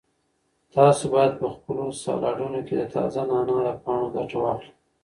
تاسو باید په خپلو سالاډونو کې د تازه نعناع له پاڼو ګټه واخلئ.